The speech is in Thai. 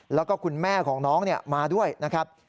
แล้วก็คุณแม่ของน้องมาด้วยนะครับ